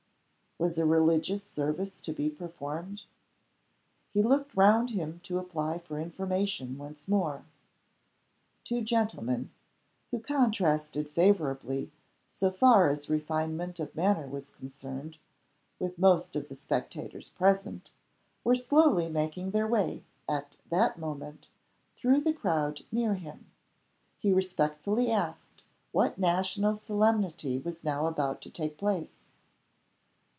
Was a religious service to be performed? He looked round him to apply for information once more. Two gentlemen who contrasted favorably, so far as refinement of manner was concerned, with most of the spectators present were slowly making their way, at that moment, through the crowd near him. He respectfully asked what national solemnity was now about to take place.